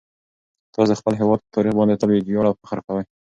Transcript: تاسو د خپل هیواد په تاریخ باندې تل ویاړ او فخر کوئ.